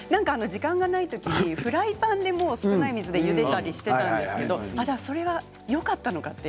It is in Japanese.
時間がない時はフライパンで少ない水でゆでたりしていたんですけどそれはよかったのかと。